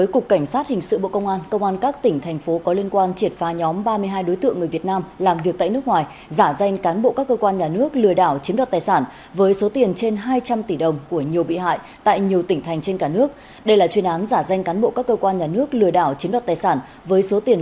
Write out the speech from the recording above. cảnh sát hình sự công an tỉnh cà mau chia làm nhiều mũi đã bao vây và chìa xóa tụ điểm đá gà an tiền tại phần đất chống thuộc an tiền tại phần đất chống thuộc an tiền